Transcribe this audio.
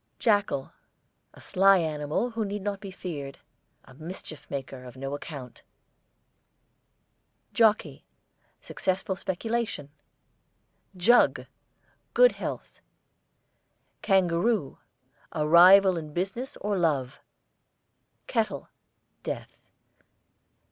JACKAL, a sly animal who need not be feared. A mischief maker of no account. JOCKEY, successful speculation. JUG, good health. KANGAROO, a rival in business or love. KETTLE, death.